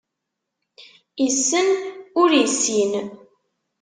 Issen, ur issin.